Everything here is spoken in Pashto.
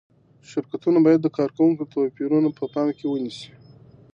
شرکتونه باید د کارکوونکو توپیرونه په پام کې ونیسي.